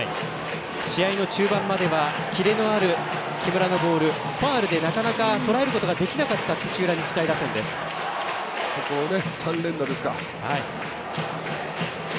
試合の中盤まではキレのある木村のボールファウルで、なかなかとらえることができなかったそこを３連打ですか。